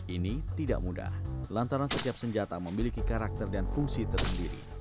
ini tidak mudah lantaran setiap senjata memiliki karakter dan fungsi tersendiri